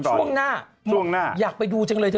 ช่วงหน้าอยากไปดูจริงเลยเจอ